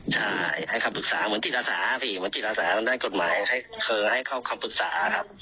ใช่ให้คำปรึกษาเหมือนศิลธรรมศาสตร์มันได้กฎหมายให้เข้าคำปรึกษาครับ